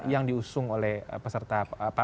yang diusung oleh peserta